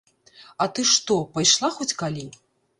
А ты што, пайшла хоць калі?